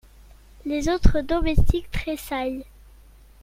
Les autres domestiques tressaillent …